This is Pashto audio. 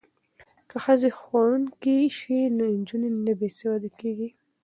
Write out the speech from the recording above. که ښځې ښوونکې شي نو نجونې نه بې سواده کیږي.